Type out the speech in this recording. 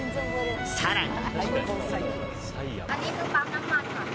更に。